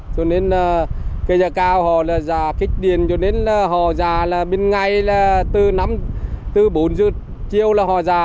cho nên là cái giả cao họ là giả kích điện cho nên là họ giả là bên ngay là từ bốn giờ chiều là họ giả